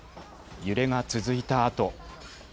揺れが続いたあと。